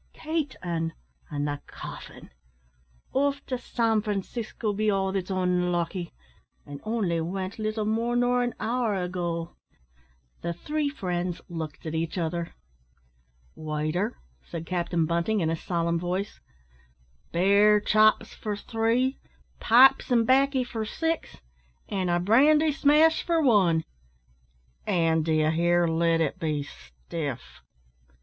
"Kate an' an' the caffin. Off to San Francisco, be all that's onlucky; an' only wint little more nor an hour ago." The three friends looked at each other. "Waiter," said Captain Bunting, in a solemn voice, "bear chops for three, pipes and baccy for six, an' a brandy smash for one; an', d'ye hear, let it be stiff!"